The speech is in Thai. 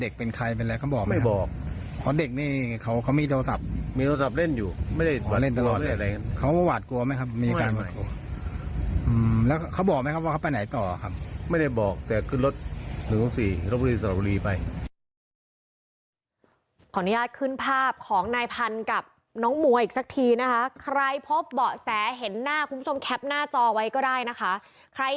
ก็ต้องไปสร้างบริษัทไป